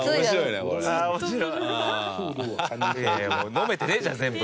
飲めてねえじゃん全部。